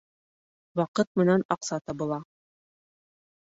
Ваҡыт менән аҡса табыла